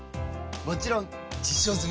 もちろん実証済！